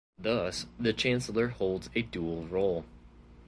Thus, the chancellor holds a dual role.